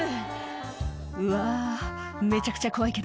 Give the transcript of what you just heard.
「うわめちゃくちゃ怖いけど」